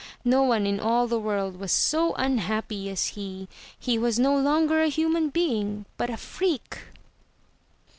No one in all the world was so unhappy as he. He was no longer a himian being— but a freak.